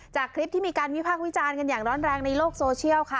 คลิปที่มีการวิพากษ์วิจารณ์กันอย่างร้อนแรงในโลกโซเชียลค่ะ